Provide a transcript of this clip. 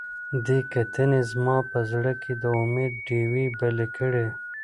دې کتنې زما په زړه کې د امید ډیوې بلې کړې.